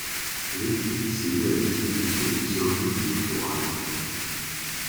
Le l'édifice est mis à la disposition du service des fourrages.